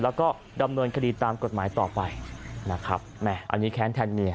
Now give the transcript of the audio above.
และก็ดำเนินคดีตามกฎหมายต่อไปอันนี้แข้นแทนเมีย